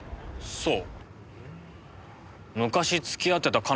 そう。